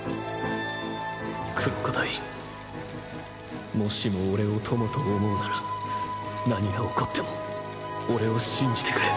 クロコダインもしも俺を友と思うなら何が起こっても俺を信じてくれ。